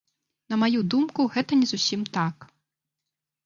На маю думку, гэта не зусім так.